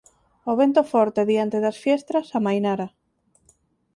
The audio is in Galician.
O vento forte diante das fiestras amainara.